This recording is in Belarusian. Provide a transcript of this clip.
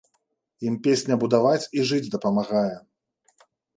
Ім песня будаваць і жыць дапамагае?